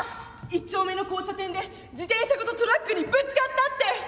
「一丁目の交差点で自転車ごとトラックにぶつかったって」。